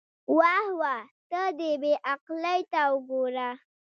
واه واه، ته دې بې عقلۍ ته وګوره.